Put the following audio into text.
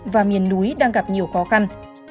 và miền núi đang gặp nhiều khó khăn